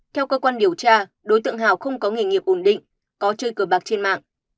theo cơ quan điều tra đối tượng hào không có nghề nghiệp ổn định có chơi cờ bạc trên mạng